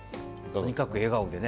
とにかく笑顔でね。